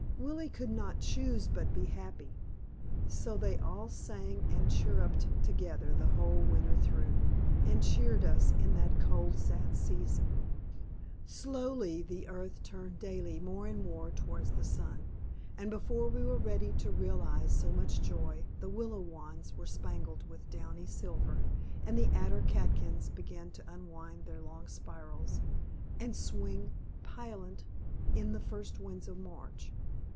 Willie could not choose but be happy. So they all sang and chirruped together the whole winter through, and cheered us in that cold, sad season. Slowly the earth turned daily more and more toward the sun, and before we were ready to realize so much joy, the "willow wands" were spangled with "downy silver," and the alder catkins began to unwind their long spirals, and swing pliant in the first winds of March.